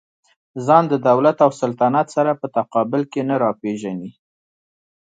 ځان د دولت او سلطنت سره په تقابل کې نه راپېژني.